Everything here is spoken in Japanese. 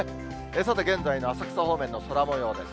さて、現在の浅草方面の空もようです。